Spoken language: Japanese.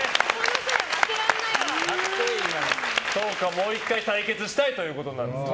もう１回対決したいということなんですね。